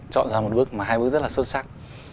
chọn ra một bức mà hai bức rất là xuất sắc